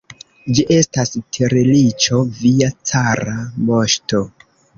Ĝi estas tirliĉo, via cara moŝto!